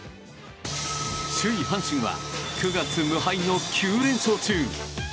首位、阪神は９月無敗の９連勝中。